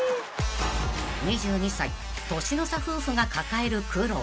［２２歳年の差夫婦が抱える苦労］